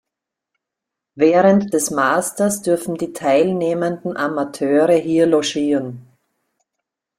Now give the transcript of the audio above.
Während des Masters dürfen die teilnehmenden Amateure hier logieren.